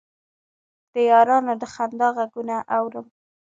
د یارانو د خندا غـــــــــــــــــږونه اورم